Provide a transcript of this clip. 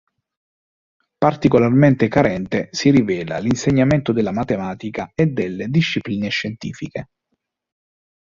Particolarmente carente si rivelava l'insegnamento delle matematica e delle discipline scientifiche.